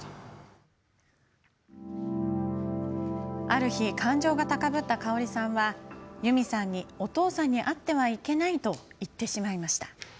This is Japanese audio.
ある日、感情が高ぶった香さんはユミさんにお父さんに会ってはいけないと言ってしまいました。